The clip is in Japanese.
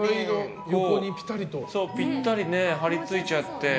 ぴったり張り付いちゃって。